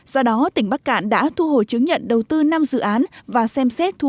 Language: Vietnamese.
do đó tỉnh bắc cạn đã thu hồi chứng nhận đầu tư năm dự án và xem xét các dự án